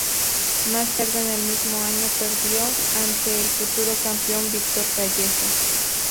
Más tarde en el mismo año perdió ante el futuro campeón Victor Callejas.